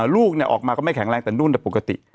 ลูกออกมาก็ไม่แข็งแรงแต่นุ่นแต่ปกติ